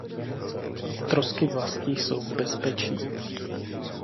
Trosky vlasti jsou v bezpečí.